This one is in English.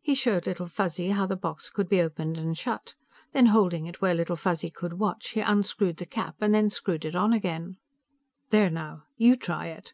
He showed Little Fuzzy how the box could be opened and shut. Then, holding it where Little Fuzzy could watch, he unscrewed the cap and then screwed it on again. "There, now. You try it."